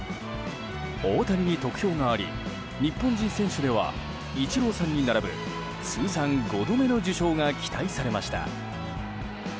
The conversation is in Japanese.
大谷に得票があり日本人選手ではイチローさんに並ぶ通算５度目の受賞が期待されました。